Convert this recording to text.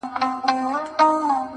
د نریو اوبو مخ په بېل بندیږي -